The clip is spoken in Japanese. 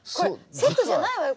セットじゃないわよ